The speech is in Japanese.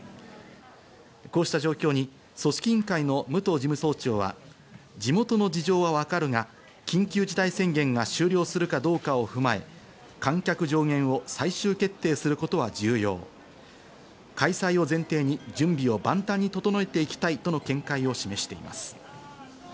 こうした状況に組織委員会の武藤事務総長は、地元の事情はわかるが、緊急事態宣言が終了するかどうかを踏まえ、観客上限を最終決定することは重要、開催を前提に準備を万端に整えていきたいとの見解を示しています。